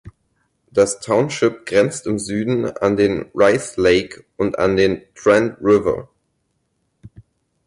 Das Township grenzt im Süden an den Rice Lake und an den Trent River.